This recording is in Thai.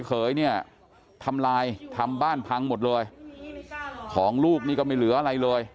เขยเนี่ยทำลายทำบ้านพังหมดเลยของลูกนี่ก็ไม่เหลืออะไรเลย